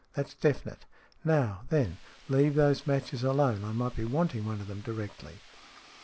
That's definite. Now, then, leave those matches alone. I might be wanting one of them directly."